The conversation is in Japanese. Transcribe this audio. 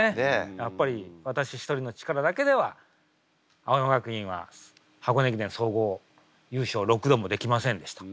やっぱり私一人の力だけでは青山学院は箱根駅伝総合優勝６度もできませんでした。